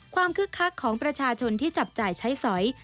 คึกคักของประชาชนที่จับจ่ายใช้สอย